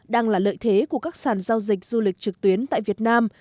đang là lợi thế của các sàn giao dịch du lịch trực tuyến tại việt nam